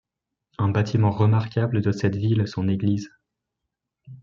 Un bâtiment remarquable de cette ville est son église.